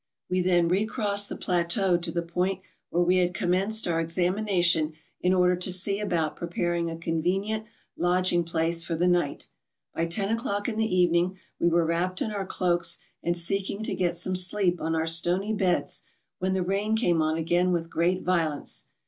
We then recrossed the plateau to the point where we had commenced our examination in order to see about preparing a convenient lodging place for the night. By ten o'clock in the evening we were wrapped in our cloaks and seeking to get some sleep on our stony beds when the rain came on again with great violence.